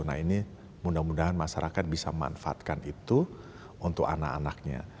nah ini mudah mudahan masyarakat bisa memanfaatkan itu untuk anak anaknya